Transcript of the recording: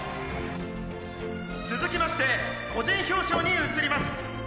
「つづきまして個人表彰に移ります。